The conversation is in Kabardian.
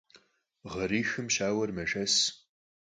Гъэрихым щауэр мэшэс.